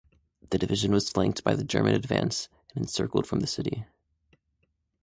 The division was flanked by the German advance and encircled from the city.